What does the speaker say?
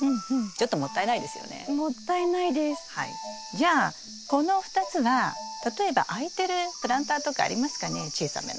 じゃあこの２つは例えば空いてるプランターとかありますかね小さめの。